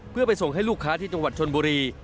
เพื่อไปส่งให้ลูกค้าที่จังหวัดชนบุรี